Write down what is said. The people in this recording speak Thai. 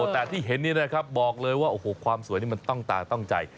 แต่ที่เห็นนี่นะครับบอกเลยว่าโอ้โหความสวยนี่มันต้องตาต้องใจ